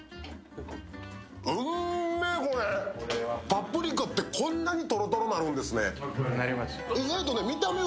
パプリカってこんなにとろとろになるんですね。